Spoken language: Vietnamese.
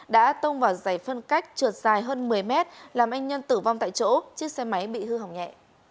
cái phân cách trượt dài hơn một mươi m làm anh nhân tử vong tại chỗ chiếc xe máy bị hư hỏng nhẹ